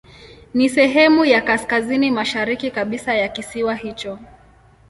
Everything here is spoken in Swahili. Ni sehemu ya kaskazini mashariki kabisa ya kisiwa hicho.